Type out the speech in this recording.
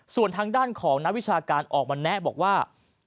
ส่วนทางด้านของนักวิชาการออกมาแนะบอกว่า